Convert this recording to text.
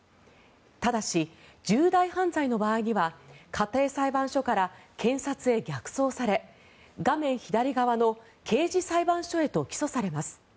ただし、重大犯罪の場合には家庭裁判所から検察へ逆送され画面左側の刑事裁判所へと起訴されます。